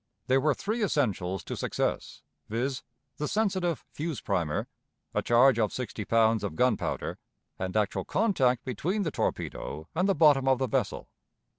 There were three essentials to success, viz., the sensitive fuse primer, a charge of sixty pounds of gunpowder, and actual contact between the torpedo and the bottom of the vessel.